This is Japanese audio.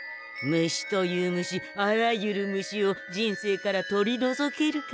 虫という虫あらゆる虫を人生から取りのぞけるから。